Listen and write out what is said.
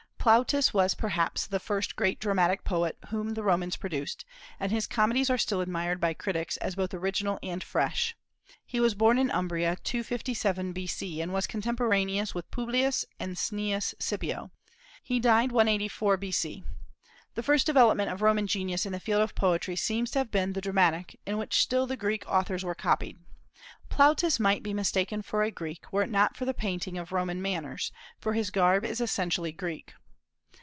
Plautus was perhaps the first great dramatic poet whom the Romans produced, and his comedies are still admired by critics as both original and fresh. He was born in Umbria, 257 B.C., and was contemporaneous with Publius and Cneius Scipio. He died 184 B.C. The first development of Roman genius in the field of poetry seems to have been the dramatic, in which still the Greek authors were copied. Plautus might be mistaken for a Greek, were it not for the painting of Roman manners, for his garb is essentially Greek.